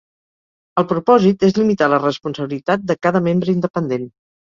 El propòsit és limitar la responsabilitat de cada membre independent.